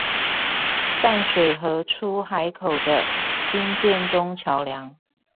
淡水河出海口的興建中橋梁